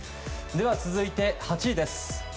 続いて、８位です。